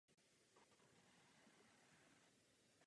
Záleželo na rozhodnutí konkrétní provincie.